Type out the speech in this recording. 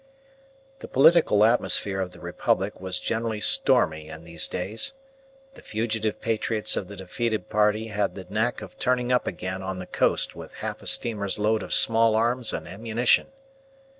The political atmosphere of the Republic was generally stormy in these days. The fugitive patriots of the defeated party had the knack of turning up again on the coast with half a steamer's load of small arms and ammunition.